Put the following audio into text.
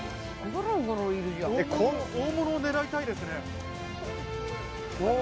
大物を狙いたいですね。